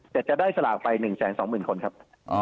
แต่จะได้สลากไป๑๒๐๐๐คนครับ